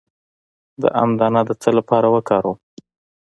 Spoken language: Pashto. د ام دانه د څه لپاره وکاروم؟